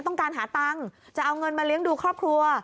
ต้องการหาตังค์จะเอาเงินมาเลี้ยงดูครอบครัว